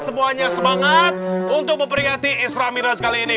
semuanya semangat untuk memperingati islam miros kali ini